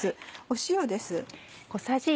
塩です。